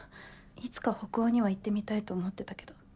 いつか北欧には行ってみたいと思ってたけど。